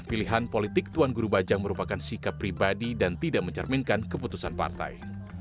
pilihan politik tuan guru bajang merupakan sikap pribadi dan tidak mencerminkan keputusan partai